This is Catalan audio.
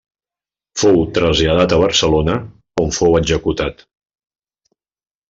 Fou traslladat a Barcelona on fou executat.